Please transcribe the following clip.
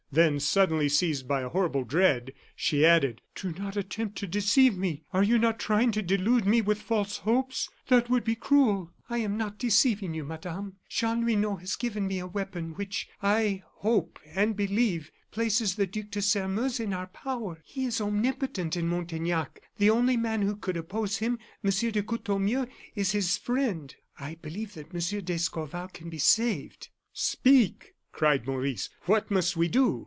Then, suddenly seized by a horrible dread, she added: "Do not attempt to deceive me. Are you not trying to delude me with false hopes? That would be cruel!" "I am not deceiving you, Madame, Chanlouineau has given me a weapon, which, I hope and believe, places the Duc de Sairmeuse in our power. He is omnipotent in Montaignac; the only man who could oppose him, Monsieur de Courtornieu, is his friend. I believe that Monsieur d'Escorval can be saved." "Speak!" cried Maurice; "what must we do?"